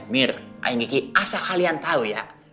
mir ini asal kalian tahu ya